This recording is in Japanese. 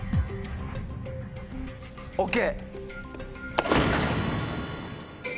ＯＫ！